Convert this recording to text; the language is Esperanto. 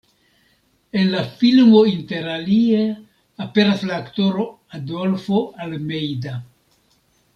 En la filmo interalie aperas la aktoro Adolfo Almeida.